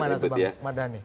ini mana tuh bang madadi